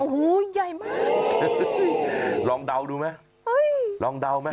โอ้โหเง่ามากลองเดาดูมั้ย